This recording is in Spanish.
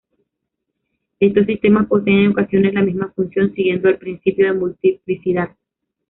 Estos sistemas poseen en ocasiones la misma función, siguiendo el principio de multiplicidad.